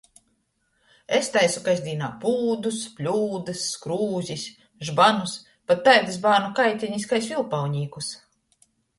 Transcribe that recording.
Es taisu kasdīnā pūdus, bļūdys, skrūzis, žbanus, pat taidys bārnu kaitenis kai sviļpaunīkus.